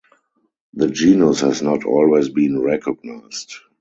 The genus has not always been recognized.